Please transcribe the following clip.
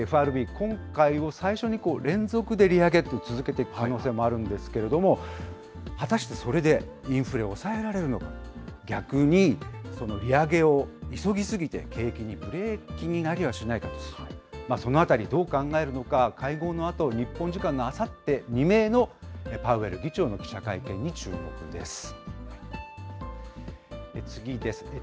ＦＲＢ、今回、最初に連続で利上げと続けていく可能性もあるんですけれども、果たしてそれで、インフレを抑えられるのか、逆に利上げを急ぎ過ぎて、景気にブレーキになりはしないか、そのあたり、どう考えるのか、会合のあと、日本時間のあさって未明のパウエル議長の記者会見に注目です。